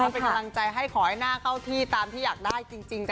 เป็นกำลังใจให้ขอให้หน้าเข้าที่ตามที่อยากได้จริงค่ะ